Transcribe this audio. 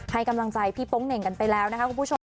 ให้กำลังใจพี่โป๊งเหน่งกันไปแล้วนะคะคุณผู้ชม